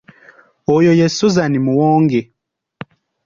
Oyo ye Suzan Muwonge.